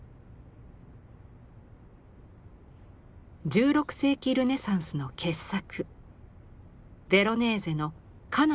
１６世紀ルネサンスの傑作。